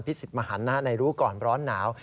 พิจิตย์มหานาในรู้ก่อนร้อนหนาว